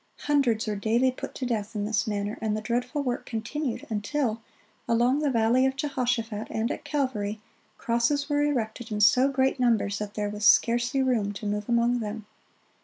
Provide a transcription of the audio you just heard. Hundreds were daily put to death in this manner, and the dreadful work continued until, along the valley of Jehoshaphat and at Calvary, crosses were erected in so great numbers that there was scarcely room to move among them.